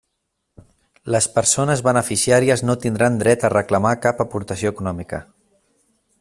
Les persones beneficiàries no tindran dret a reclamar cap aportació econòmica.